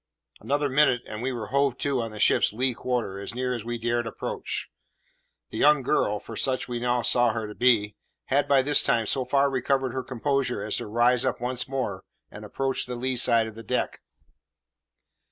Another minute, and we were hove to on the ship's lee quarter, as near as we dared approach. The young girl (for such we now saw her to be) had by this time so far recovered her composure as to rise up once more and approach the lee side of the deck.